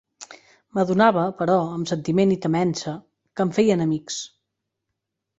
M'adonava, però, amb sentiment i temença, que em feia enemics;